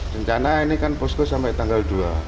rencana ini kan posko sampai tanggal dua